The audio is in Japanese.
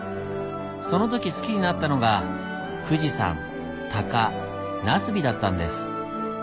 その時好きになったのが富士山・鷹・茄子だったんです。